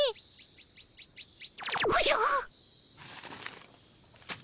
おじゃっ。